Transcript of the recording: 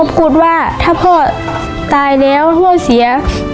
ขอบคุณว่าถ้าพ่อตายแล้วพ่อเสีย